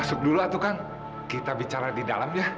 jodoh banget sih